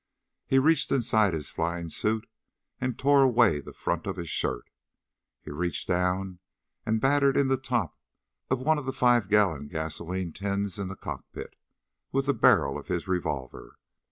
He reached inside his flying suit and tore away the front of his shirt. He reached down and battered in the top of one of the five gallon gasoline tins in the cockpit with the barrel of his revolver.